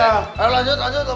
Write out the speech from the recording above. ayo lanjut lanjut